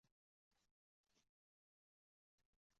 Bunda Sizga Hosting-Obzor